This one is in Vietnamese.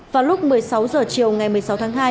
vào lúc một mươi sáu h chiều ngày một mươi sáu tháng hai